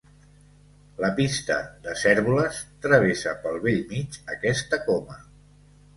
La Pista de Cérvoles travessa pel bell mig aquesta coma.